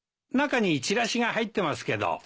中にチラシが入ってますけど。